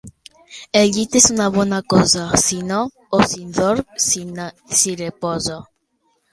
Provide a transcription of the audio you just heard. El llit és una bona cosa: si no s'hi dorm, s'hi reposa.